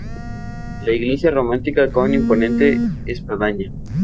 La iglesia románica con imponente espadaña.